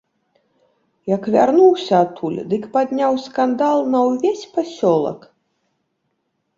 Як вярнуўся адтуль, дык падняў скандал на ўвесь пасёлак.